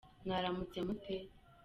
Mwaramutse mute